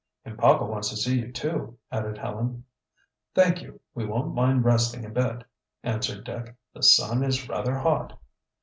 "And papa wants to see you, too," added Helen. "Thank you, we won't mind resting a bit," answered Dick. "The sun is rather hot."